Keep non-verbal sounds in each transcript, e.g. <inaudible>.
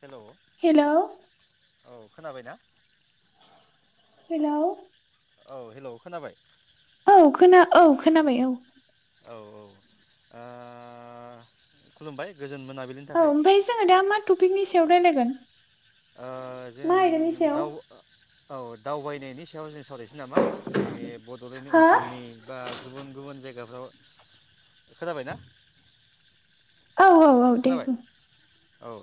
हेल' hello. औ खोनाबायना। Hello. औ हेलौ' खोनाबाय। औ खोना औ खोनाबाय औ। औ औ ओ खुलुमबाय। गोजोन मोनाबिलिनि औ थाखाय ओमफाय जोङो दा मा टपिकनि सायाव रायलायगोन। ओ जों मा आयदानि सायाव दाउ औ दावबाय नायनि सायाव जों सावरायसै नामा जोंनि बड'लेण्ड हो ओनसोलनि बा गुबुन गुबुन जायगा हेल' खोनाबाय ना औ औ औ दे बुं औ ओ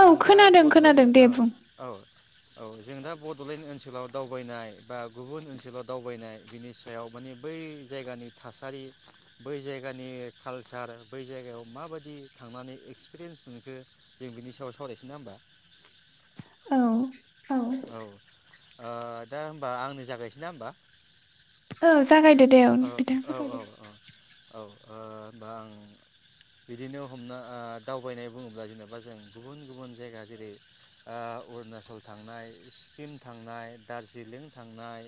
औ जों दा खोनादों बड'लेण्ड खोनादों दे ओ बुं औ औ जों दा बड'लेण्ड ओनसोलाव दावबायनाय बा गुबुन ओनसोलाव दावबायनाय बिनि सायाव माने बै जायगानि थासारि बै जायगानि कालसार बै जायगायाव माबादि थांनानै एक्सपिरियेन्स मोनखो जों बिनि सायाव सावरायसै ना होमबा औ औ आ दा होमबा आंनो जागायसै ना होमबा औ जागायदो दे औ ओ बिथां औ जागायदो औ औ औ ओ बा आं बिदिनो हमना दावबायनाय बुङोब्ला जेनेबा जों गुबुन गुबुन जायगा जेरै ओ अरुणाचल थांनाय सिक्किम थांनाय दार्जिलिं थांनाय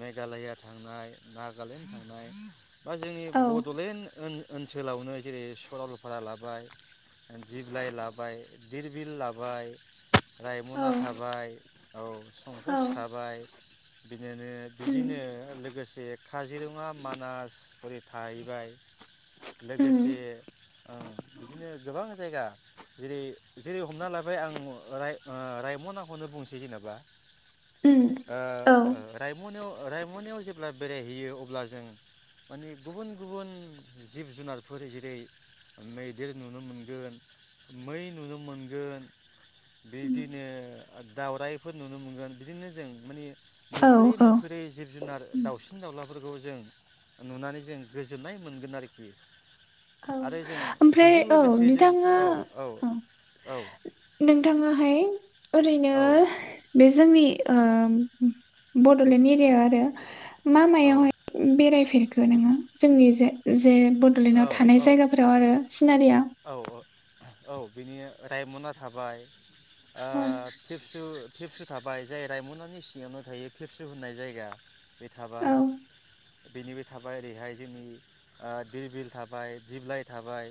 मेघालया थांनाय नागालेण्ड थांनाय बा जोंनि औ बड'लेण्ड ओन ओनसोलावनो जेरै सरलपारा लाबाय दिब्लाइ लाबाय दिरबिल लाबाय रायमना औ थाबाय औ संकस औ थाबाय <unintelligible> उम बिदिनो लोगोसे काजिरङा मानास होरै थाहैबाय उम लोगोसे ओं बिदिनो गोबां जायगा जेरै जेरै हमना लाबाय आं रां रायम'नाखौनो बुंनोसै जेनेबा। उम औ ओ उम रायमनायाव। रायम'नायाव जेब्ला। बेरायहैयो अब्ला जों माने गुबुन गुबुन जिब जुनारफोर जेरै मैदेर नुनो मोनगोन मै नुनो मोनगोन बिदिनो दावराइफोर नुनो मोनगोन बिदिनो जों माने औ नुफोरै औ नुफोरै जिब जुनार उम दावलाफोरखौ जों नुनानै जों गोजोन्नाय मोनगोन आरोखि। औ आरो जों ओमफ्राय बेजों औ लोगोसे जों नोंथाङा औ औ औ नोंथाङाहाय। ओरैनो औ बे जोंनि ओ बड'लेण्ड एरियायाव आरो। मा मायावहाय बेरायफेरखो? नोङो जोंनि <unintelligible> जे बड'लेण्डआ औ जायगाफोराव आरो सिनारिया। औ औ बिनि रायमना थाबाय। ओ औ फिसु पेबसु थाबाय जाय रायमनानि सिङावनो थायो पेबसु होननाय जायगा। बे थाबाय बेनिबो थाबाय ओरैहाय जोंनि दिर बिल थाबाय दिब्लाइ थाबाय।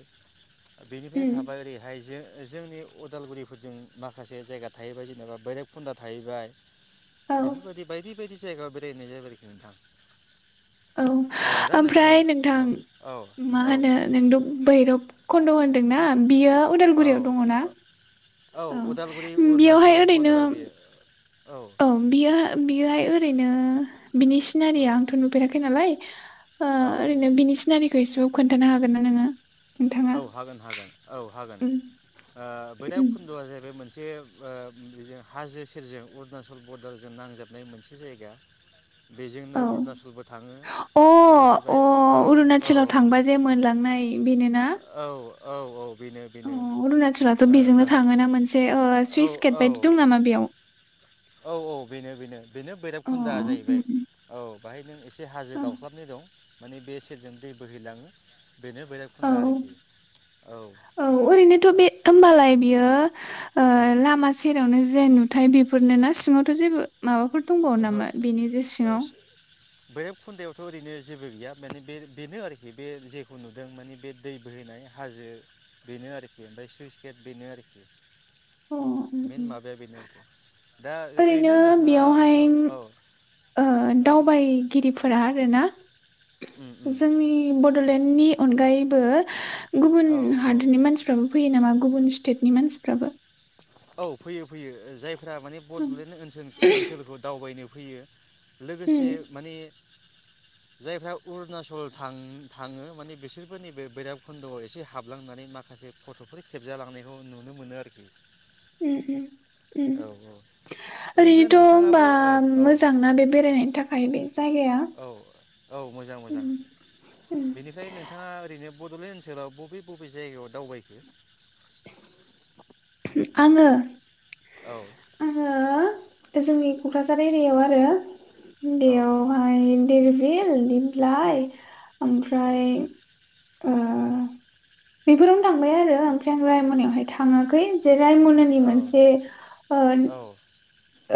बेनिफ्राय उम थाबाय ओरैहाय जो- जोंनि उदालगुरिफोरजों माखासे जायगा थाहैबाय जेनेबा बैराबखुन्दा थाहैबाय। औ बेफोरबायदि बायदि बायदि दि जायगायाव बेरायहैनाय जाहैबाय आरोखि नोंथां। औ दा नों ओमफ्राय नोंथां। औ मा औ होनो नोंथ बैरब खन्द होनदोंना? बियो औ उदालगुरियाव ओ- दङ ना? औ उदालगुरि बेयावहाय अरुणाचल ओरैनो बरदाराव बेयो औ बियो बियोहाय ओरैनो बिनि औ सिनारिया आंथ नुफेराखै नालाय। ओ औ ओरैनो बिनि सिनारिखौ एसे खोन्थानो हागोन ना नोङो? नोंथाङा? औ हागोन हागोन औ हागोन उम ओ बैराब उम खुन्दआ जाहैबाय मोन से ओ बिजों हाजो सेरजों अरुणाचल बरदारजों नांजाबनाय मोनसे जायगा बेजोंनो औ अरुणचलबो थाङो अ लोगोसे अ बेहाय औ औ। अरुणाचलाव थांबा जे मोनलांनाय बेनो ना? औ औ औ। बेनो अ बेनो ओ अरुणचलाथ बेजोंनो बाहा थाङोना मोनसे ओ औ सुइस गेट बायदि औ दं नामा बेयाव? औ औ बेनो बेनो बेनो अ बैराबखुन्दा उम जाहैबाय औ। औ बाहाय नों एसे हाजो उम दावख्लाबनाय दं। माने बे सेरजों दै बोहैलाङो। बेनो औ भैराबखुन्दा औ आरोखि औ ओ औ ओरैनोथ बे होनबालाय बियो ओ औ ओहो लामा सेरावनो जे बेफोरनो ना सिङावथ जेबो माबाफोर दंबावो नामा बेनि जे सिङाव? भैर'ब खुन्दायावथ' ओरैनो जेबो गैया माने बे बेनो आरोखि बे जेखौ नुदों माने बे दै बोहैनाय हाजो बेनो आरोखि ओमफ्राय सुइस गेट बेनो आरोखि। अ उम्म मेन उम्म माबाया बेनो आरोखि दा ओरैनो नोंथाङा बेयावहाय औ। ओ औ दावबायगिरिफोरा रोना उम उम जोंनि बद ड'लेण्डनि अनगायैबो गुबुन औ औ हादरनि मानसिफ्राबो फैयो नामा? गुबुन स्टेटनि मानसिफ्राबो औ फैयो फैयो ओ जाय फोरा माने उम बड'लेण्ड ओन्सोल ओन्सोलखौ दावबायनो फैयो उम लोगोसे माने जायफ्रा अरुणाचल थां थाङो माने बिसोरबो नैबे बैराबखुन्द'आव एसे हाबलांनानै माखासे फट'फोर खेबजालांनायखौ नुनो मोनो आरोखि। उम्म उम्म। औ औ उम्म ओरैनो ओरैनोथ' होनबा नोंथाङाबो औ मोजांना बे बेरायनायनि थाखाय बे? जायगाया औ औ मोजां उम मोजां उम बेनिफ्राय नोंथाङा ओरैनो बड'लेण्ड ओनसोलाव बबे बबे जायगायाव दावबायखो? <inaudible> आंङो? औ। ओ जोंनि क'क्राझार एरियाव आरो औ बेयावहाय बेर बेल निमलाय ओमफ्राय अ बेफोरावनो थांबाय आरो ओमफ्राय आं रायम'नायावहाय थाङाखै जेरै रायमनानि औ मोनसे ओ औ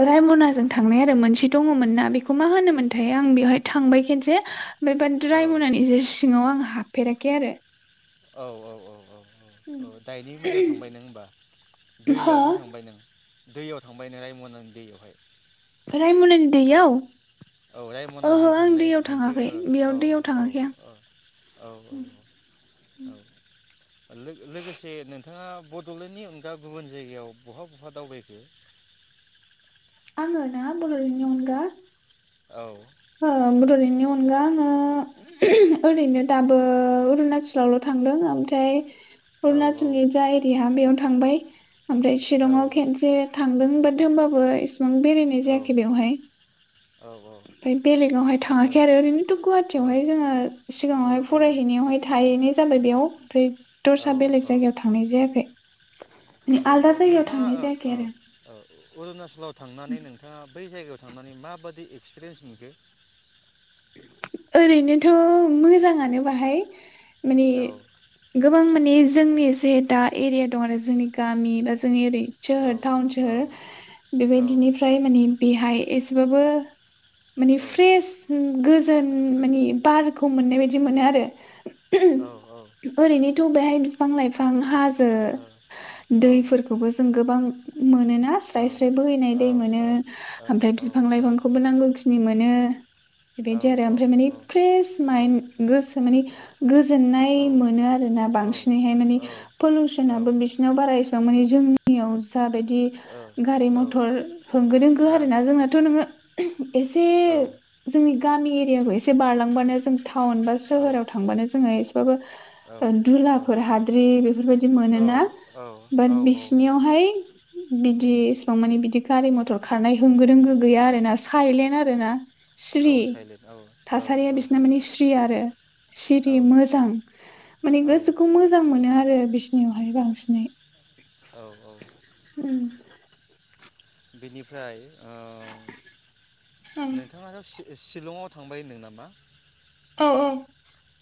रायमनाजों थांनाय आरो मोनसे दङमोन ना बेखौ मा होनोमोनथाय आं बेवहाय थांबाय खेनसे ओमफाय ब्रा द्रायमनानि ज सिङाव आं हाबफेराखै आरो औ औ औ औ औ औ दायनि मोदायाव थांबाय नों होमबा हो दैयावहाय थांबाय नों दैयाव थांबाय नों रायम'नानि दैयावहाय रायम'नानि दैआव औ रायमनाजों थांनाय मोनसे थाङाखै औ बेयाव औ दैयाव औ थाङाखै आं औ औ औ लोगोसे नों नोंथाङा बड'लेण्डनि अनगा गुबुन जायगायाव बहा बहा दावबायखो? आङो ना बडलेण्डनि अनगा? औ बड'लेण्डनि अनगा आङो ओरैनो दाबो अरुणाचल थांदों ओमफ्राय औ अरुणाचलनि जा एरिया बेयाव थांबाय। ओमफ्राय औ शिलंआव खेनसे थांदों होमबाबो बेसेबां बेरायनाय औ जायाखै बेवहाय। ओ ओमफ्राय बेलेगावहाय थाङाखै आरो ओरैनोथ' गुवाहाटियावहाय जोङो सिगाङावहाय फरायहैनायावहाय थाहैनो जाबाय बेयाव ओमफ्राय दरसा बेलेग ओ ओ औ जायगायाव थांनाय जायाखै। आलदा ओरैनो जायगायाव नोंथाङा थांनाय जायाखै आरो अरुणाचलाव थांनानै नोंथाङा बै जायगायाव थांनानै माबादि एक्सपिरियेन्स नुखो? ओरैनोथ' मोजाङानो बाहाय मानि औ गोबां माने जोंनि जे दा एरिया दं आरो जोंनि गामि बा जोंनि ओरै औ सोहोर टाउन औ सोहोर औ बेबायदिनिफ्राय माने बेहाय एस बाबो माने फ्रेस गोजोन मानि बारखौ मोननाय बायदि मोनो आरो। औ <unintelligible> ओरैनोथ' बेहाय बिफां लाइफां हा जो औ दैफोरखौबो जों गोबां मोनोना साइलेन्ट औ स्राय स्राय बोहैनाय दै मोनो ओमफ्राय बिफां लाइफांखौबो नांगौखिनि मोनो। <inaudible> बेबायदि औ आरो ओमफ्राय माने फ्रेस माइन गोसो माने गोजोननाय मोनो आरो ना बांसिनैहाय माने पलुसनबो बिसोरनाव बारा एसेबां माने जोंनियाव जा बायदि गारि मथर होंगो दोंगो आरो ना जोंनाथ' नोङो एसे जोंनि गामि एरियाखौ एसे बारलांबानो जों थाउन बा सोहोराव थांबानो जोङो एसेबाबो धुलाफोर हाद्रि बेफोरबायदि मोनोना बाट बिसिनियावहाय बिदि एसेबां मानि बिदि गारि मथर खारनाय होंगो दोंगो गैया आरो ना साइलेन्ट आरो ना। सिरि थासारिया बिसिना माने सिरि आरो सिरि मोजां माने औ गोसोखौ मोजां मोनो। आरो बिसिनियावहाय बांसिनै औ औ उम बेनिफ्राय औ नोंथाङाथ' सि शिलंआव थांबाय होनदों नामा? औ औ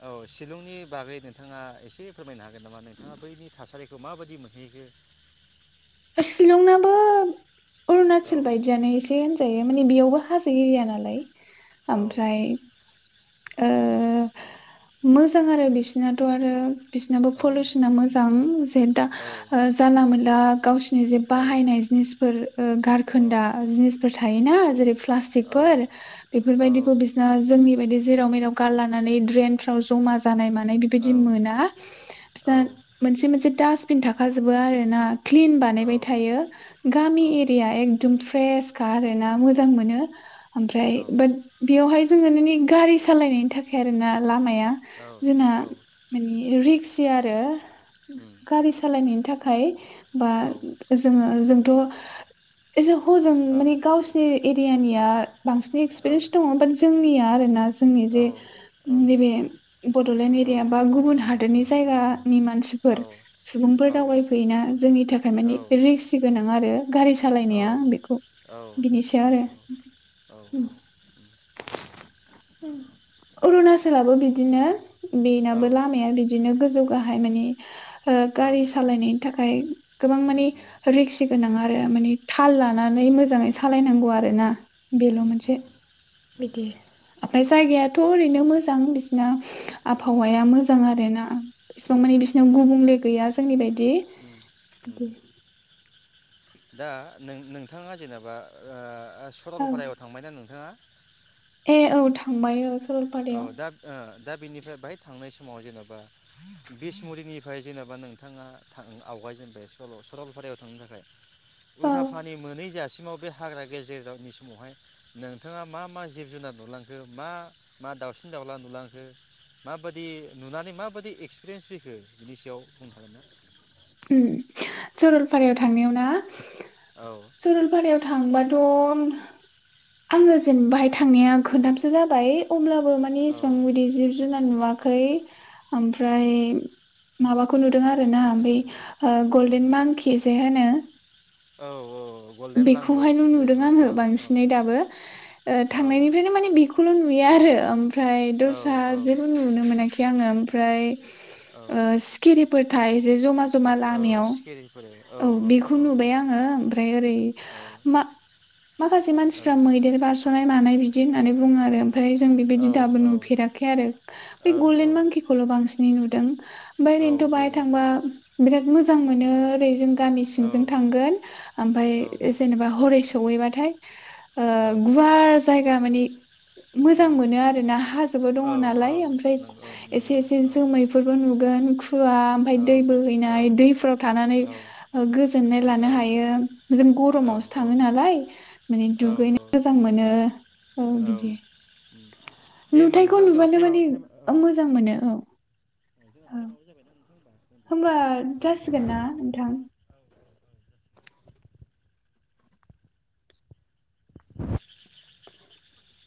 औ शिलंनि बागै नोंथाङा एसे फोरमायनो हा नामा नोंथाङा बैनि थासारिखौ माबायदि मोनहैखो शिलंनाबो औ अरुणाचल बायदियानो एसे होनजायो। बे माने बेयावबो हाजो एरिया नालाय औ ओमफ्राय ओ औ मो मोजां आरो बिसिनाथ' आरो बिसनाबो औ पलुसना मोजां जे दा जानला मोनला गावसिनि जे बाहायनाय जिनिसफोर ओ गारखोन्दा जिनिसफोर था थायोना जेरै प्लास्टिकफोर बेफोरबायदिखौ बिसिना जोंनि बायदि जेराव मेराव गारलानानै ड्रेन फ्राव जमा जानाय मानाय बेबादि मोना बिसिना मोनसे मोनसे दास बिन थाखा जोबो आरो ना। क्लिन बानायबाय थायो गामि एरिया एकदम फ्रेसखा आरो ना मोजां मोनो ओमफ्राय बा बेयावहाय जोङो नोंनि गारि सालायनायनि थाखाय आरो ना लामाया आं जोंना मानि रिक्स सि आरो गारि सालायनायनि था खाय बा जोङो जों थ' एसे हजों माने गावसिनि मैयानिया बांसिन एक्सपिरिन्स दङ बात जोंनिया आरो ना जोंनि जे नैबे बड'लेण्ड एरिया बा गुबुन हादोरनि जायगा नि मानसिफोर सुबुंफोर दावबायफैयोना नि थाखाय मानि रिक्स गोनां। नङा आरो? गारि सालायनाया बेखौ बिनि सायाव आरो ‌उम अरुनाचलाबो बिदिनो। बेनाबो लामाया बिदिनो गोजौ गाहाय माने ओ गारि सालायनायनि थाखाय गोबां माने रिक्सि गोनां आरो माने थाल लानानै मोजाङै सालायनां ग'' आरो ना। बेल' मोनसे बिदि आफाय जायगायाथ' ओरैनो मोजां बिसिना आबहावाया मोजां आरो ना एसेबां मानि बिसिनाव गुबुंले गैया जोंनि बायदि। दे दा नो-नोंथाङा जेनेबा ओ ओ औ सरलपारायाव थांबायना नोंथाङा? ए औ थांबाय औ औ सरलपारायाव दा ओ दा बेनिफ्राय बाहाय थांनाय समाव जेनेबा बिसमुरिनिफ्राय जेनेबा नोंथाङा था आवगायजेनबाय सल सरलपारायाव थांनो थाखाय। औ उल्था फानि मोनै जासिम समाव बे हाग्रा गेजेरगांनि समावहाय नोंथाङा मा मा जिब जुनार नुलांखो मा मा दाउसिन-दाउला नुलांखो माबाइदि नुनानै माबाइदि एक्सपिरियेन्स फैखो बिनि सायाव बुंनो हागोन ना? उम सरलपारायाव थांनायाव ना औ सरलपारायाव थांबा थ' आङो जेनेबाहाय थांनाया खोनथामसो जाबाय अब्ला बो माने औ इसेबां बिदि जिब जुनार नुवा खै ओमफ्राय उम माबाखौ नुदों आरो ना बे ओ गल्डेन मांकि जे होनो औ औ गल्डेन लांगुर बेखौहायल' नुदों जायखौनो आङो औ बांसिनै दाबो ओ औ थांनायनिफ्रायनो माने बेखौल' नुयो आरो ओम ओमफ्राय औ दस्रा औ जेबो नुनो मोनाखै आङो ओमफ्राय औ ओ सिखिरि फोर थायो जे जमा जमा औ लामायाव सिखिरिफोर औ बेखौ औ नुबाय आङो ओमफ्राय ओरै औ मा-माखासे औ मानसिफोरा मैदेर बारस'नाय मानाय बिदि होननानै बुङो आरो ओमफ्राय जों बेबायदि दाबो औ नुफेराखै आरो बे औ औ गल्डेन मांखिखौल' बांसिन नै नुदों ओमफाय औ ओरैनोथ' बाहाय बेनो थांबा बिराद मोजां मोनो ओरै जों गामि औ सिंजों थांगोन औ ओमफाय जेनेबा हरैसो सौहैबाथाय ओ औ गुवार जाय गा माने मोजां उम मोनो आरो ना हाजोबो दङ औ औ नालाय नंगौ औ ओमफ्राय नंगौ एसे एसे औ जोमैफोरबो नुगोन होआ ओमफ्राय औ दै औ बोहैनाय दैफोराव थानानै औ गोजोननाय लानो औ हायो जों ग जों गरमावसो थाङो नालाय माने औ दुगैनो मोजां मोनो औ बिदि उम दे होमबा नुथायखौ नोंथां जोंना नुबानो टाइमा माने मोजां मोनो औ जोंहा औ टाइमाबो जाबायना नोंथां होनबा होमबा जासिगोन ना नोंथां <inaudible>